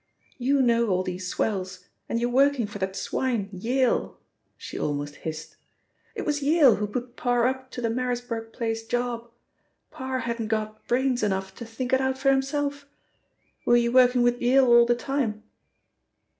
You know all these swells, and you're working for that swine Yale," she almost hissed. "It was Yale who put Parr up to the Marisburg Place job; Parr hadn't got brains enough to think it out for himself. Were you working with Yale all the time?"